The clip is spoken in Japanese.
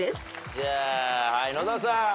じゃあ野田さん。